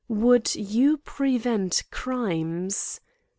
Would you prevent crimes